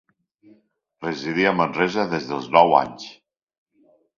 Residí a Manresa des dels nou anys.